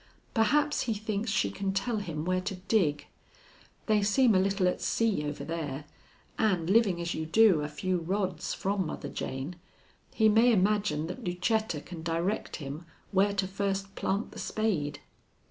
Perhaps he thinks she can tell him where to dig. They seem a little at sea over there, and living, as you do, a few rods from Mother Jane, he may imagine that Lucetta can direct him where to first plant the spade."